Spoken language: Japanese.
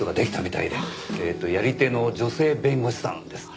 えっとやり手の女性弁護士さんですって。